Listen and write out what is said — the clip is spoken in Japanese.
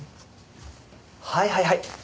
はいはいはい。